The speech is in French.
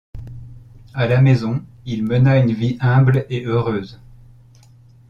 À la maison, il mena une vie humble et heureuse.